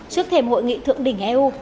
trước thềm hội nghị thượng đỉnh eu